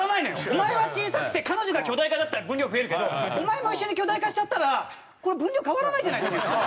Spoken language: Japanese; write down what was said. お前は小さくて彼女が巨大化だったら分量増えるけどお前も一緒に巨大化しちゃったらこれ分量変わらないじゃないっていう。